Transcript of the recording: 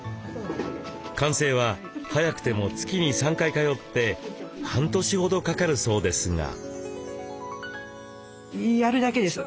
完成は早くても月に３回通って半年ほどかかるそうですが。